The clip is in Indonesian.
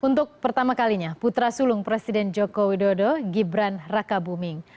untuk pertama kalinya putra sulung presiden joko widodo gibran raka buming